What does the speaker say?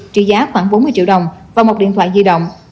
trị giá khoảng bốn mươi triệu đồng và một điện thoại di động